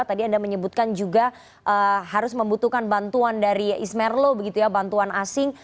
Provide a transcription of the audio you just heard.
tadi anda menyebutkan juga harus membutuhkan bantuan dari ismerlo begitu ya bantuan asing